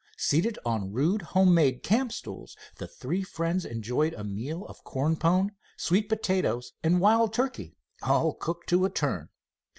Seated on rude home made camp stools, the three friends enjoyed a meal of corn pone, sweet potatoes and wild turkey, all cooked to a turn.